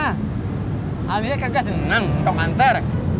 hal dia kagak seneng ngkong kan terk